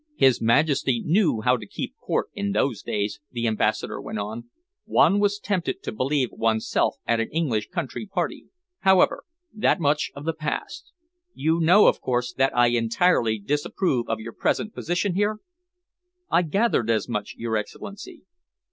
"His Majesty knew how to keep Court in those days," the Ambassador went on. "One was tempted to believe oneself at an English country party. However, that much of the past. You know, of course, that I entirely disapprove of your present position here?" "I gathered as much, your Excellency."